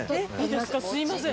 すいません。